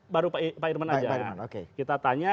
baru pak irman aja oke kita tanya